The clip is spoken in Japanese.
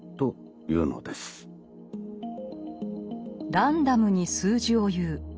ランダムに数字を言う。